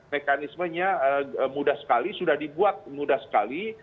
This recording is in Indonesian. mekanismenya mudah sekali sudah dibuat mudah sekali